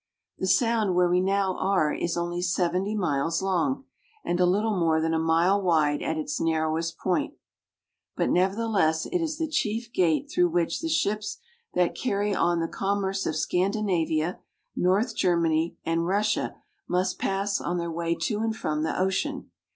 The sound where we now are is only seventy miles long, and a little more than a mile wide at its narrowest part, but nevertheless it is the chief gate through which the ships that carry on the commerce of Scandinavia, North Germany, and Russia must pass on their way to and from the ocean.